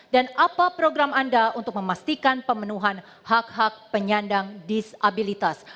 dan apa program anda untuk memastikan pemenuhan hak hak penyandang disabilitas